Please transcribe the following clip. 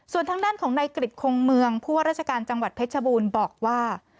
ส่วนทางด้านของนายกริจคงเมืองผู้ว่าราชการจังหวัดเพชรบูรณ์บอกว่า